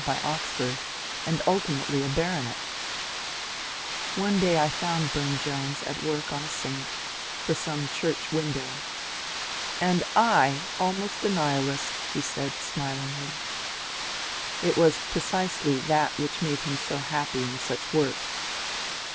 by Oxford, and ultimately a baronet I One day I found Bume Jones at work on a saint — for some church window. ^^ And I almost a nihilist !" he said smilingly. It was precisely that which made him so happy in such work.